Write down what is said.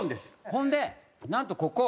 ほんでなんとここ。